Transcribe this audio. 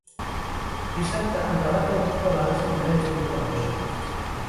Dissabte en Renat August vol anar a Sant Llorenç d'Hortons.